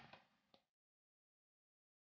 selamat mengalami papa